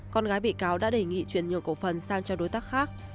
con gái bị cáo đã đề nghị chuyển nhiều cổ phần sang cho đối tác khác